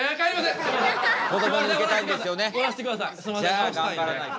じゃあ頑張らないと。